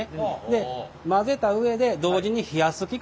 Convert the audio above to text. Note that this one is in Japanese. で混ぜた上で同時に冷やす機械ですね。